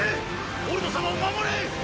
オルド様を守れ！